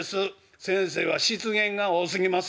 先生は失言が多すぎます。